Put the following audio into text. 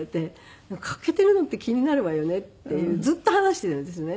「欠けているのって気になるわよね」ってずっと話しているんですね。